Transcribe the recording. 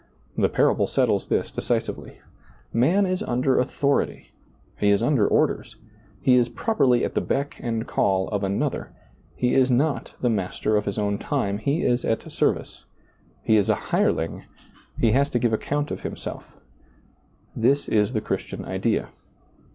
The parable settles this decisively. Man is under authority, he is under orders, lie is properly at the beck and call of Another, he is not the master of his own time, he is at service, he is a hireling, he has to give account of himself This is the Christian idea.